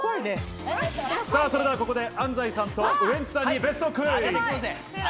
それでは、ここで安斉さんとウエンツさんに別荘クイズ！